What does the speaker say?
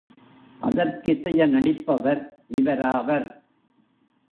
அதற்கிசைய நடிப்பவர் இவராவர்.